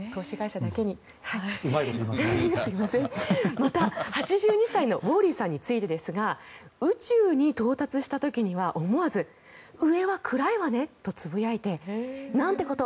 また、８２歳のウォーリーさんについてですが宇宙に到達した時には思わず上は暗いわねとつぶやいてなんてこと！